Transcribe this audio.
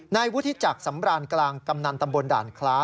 นายวุฒิจักรสำรานกลางกำนันตำบลด่านคล้า